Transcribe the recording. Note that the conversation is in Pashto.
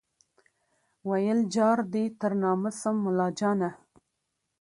ویل جار دي تر نامه سم مُلاجانه